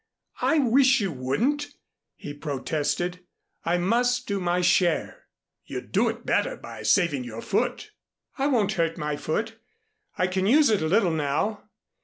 "I wish you wouldn't," he protested. "I must do my share " "You'd do it better by saving your foot." "I won't hurt my foot. I can use it a little now."